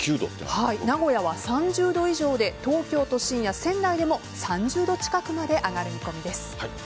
名古屋は３０度以上で東京都心や仙台でも３０度近くまで上がる見込みです。